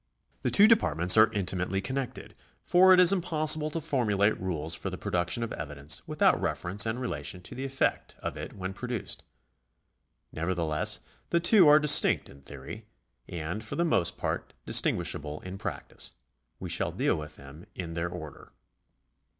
The two departments are inti mately connected, for it is impossible to formulate rules for the production of evidence without reference and relation to the effect of it when produced. Nevertheless the two are dis tinct in theory, and for the most part distinguishable in practice. We shall deal with them in their order.